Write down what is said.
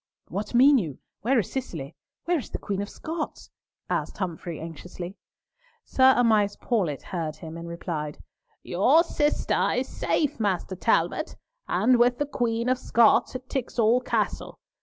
"What mean you? Where is Cicely? Where is the Queen of Scots?" asked Humfrey anxiously. Sir Amias Paulett heard him, and replied, "Your sister is safe, Master Talbot, and with the Queen of Scots at Tixall Castle.